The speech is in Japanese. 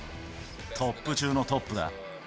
トップ中のトップだ。